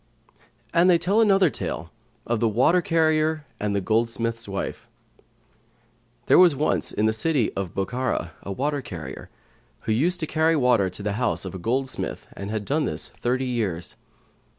And they tell another tale of the WATER CARRIER[FN#126] AND THE GOLDSMITH'S WIFE There was once, in the city of Bokhara, a water carrier, who used to carry water to the house of a goldsmith and had done this thirty years.